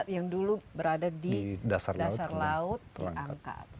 yang dulu berada di dasar laut diangkat